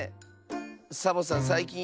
サボさんさいきん